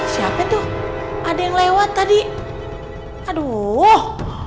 siapa tuh ada yang lewat tadi aduh